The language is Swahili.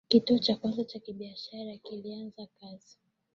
kituo cha kwanza cha kibiashara kilianza kazi